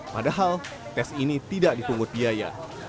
padahal tes ini tidak dipungut biaya